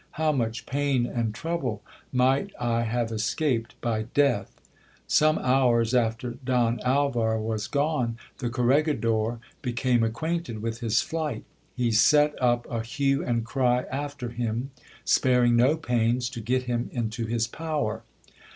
How much pain and trouble might I have escaped by death ! Some hours after Don Alvar was gone, the corregidor became acquainted with his flight. He set up a hue and cry after him, sparing no pains to get him into his power.